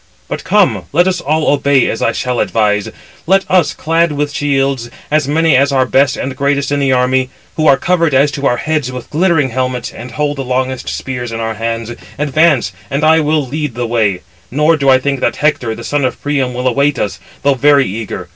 But come? let us all obey as I shall advise. Let us, clad with shields, as many as are best and greatest in the army, who are covered as to our heads with glittering helmets, and hold the longest spears in our hands, advance, and I will lead the way; nor do I think that Hector, the son of Priam, will await us, though very eager.